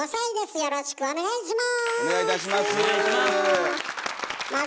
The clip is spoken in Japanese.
よろしくお願いします。